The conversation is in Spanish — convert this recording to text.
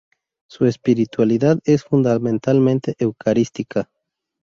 Su espiritualidad es fundamentalmente eucarística.